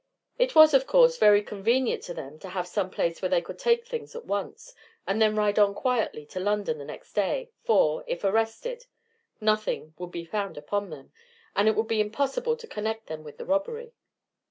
It was, of course, very convenient for them to have some place where they could take things at once, and then ride on quietly to London the next day, for, if arrested; nothing would be found upon them, and it would be impossible to connect them with the robbery.